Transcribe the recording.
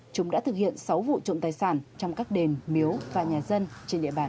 chúng đã thực hiện sáu vụ trộm tài sản trong các đền miếu và nhà dân trên địa bàn